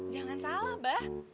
jangan salah ba